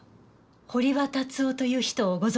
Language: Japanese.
堀場達夫という人をご存じですか？